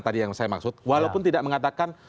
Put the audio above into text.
tadi yang saya maksud walaupun tidak mengatakan